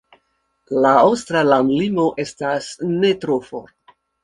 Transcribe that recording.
La aŭstra landlimo estas ne tro for.